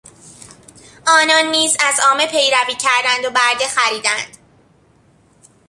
آنان نیز از عامه پیروی کردند و برده خریدند.